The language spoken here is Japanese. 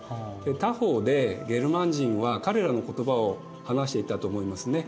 他方でゲルマン人は彼らの言葉を話していたと思いますね。